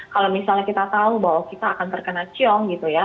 kalau misalnya kita tahu bahwa kita akan terkena ciong gitu ya